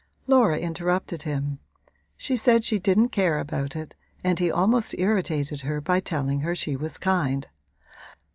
Laura interrupted him; she said she didn't care about it and he almost irritated her by telling her she was kind.